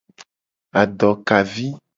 Adokavi.